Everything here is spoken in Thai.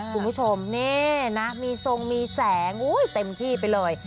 คุณผู้ชมนี่นะมีทรงมีแสงเต็มที่ไปเลย